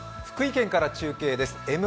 福井県から中継です。